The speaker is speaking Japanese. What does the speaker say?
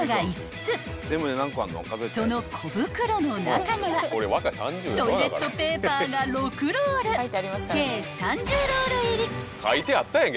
［その小袋の中にはトイレットペーパーが６ロール計３０ロール入り］